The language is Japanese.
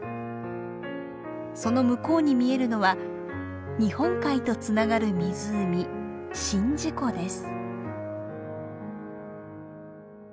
その向こうに見えるのは日本海とつながる湖宍道湖です。